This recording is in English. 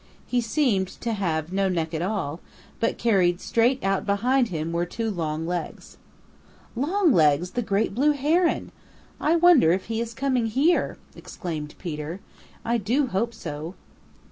He seemed to have no neck at all, but carried straight out behind him were two long legs. "Longlegs the Great Blue Heron! I wonder if he is coming here," exclaimed Peter. "I do hope so."